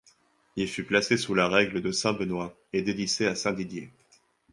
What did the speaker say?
Il fut placé sous la règle de st-Benoit et dédicé à Saint-Didier.